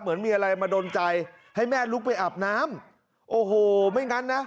เหมือนมีอะไรมาดนใจให้แม่ลุกไปอาบน้ำโอ้โหไม่งั้นนะ